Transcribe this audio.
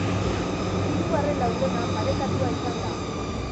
Hirugarren laurdena parekatua izan da.